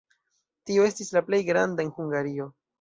Tio estis la plej granda en Hungario.